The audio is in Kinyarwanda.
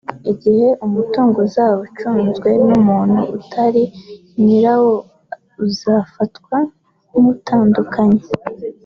Igihe umutungo uzaba ucunzwe n’umuntu utari nyirawo uzafatwa nk’utandagaye